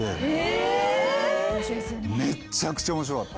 めちゃくちゃ面白かった。